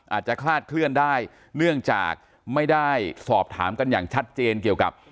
อาจจะคลาดเคลื่อนได้เนื่องจากไม่ได้สอบถามกันอย่างชัดเจนเกี่ยวกับ